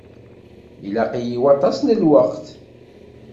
Ilaq-iyi waṭas n lweqt.